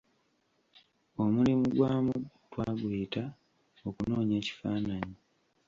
Omulimu gwamu twaguyita: Okunoonya ekifaananyi.